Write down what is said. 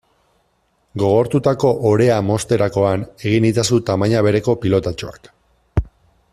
Gogortutako orea mozterakoan egin itzazu tamaina bereko pilotatxoak.